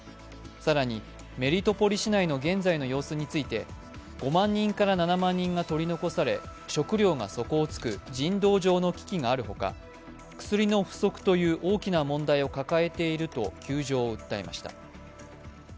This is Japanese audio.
更に、メリトポリ市内の現在の様子について５万人から７万人が取り残され、食料が底をつく人道上の危機がある他、薬の不足という大きな問題を抱えていると窮状を訴えました。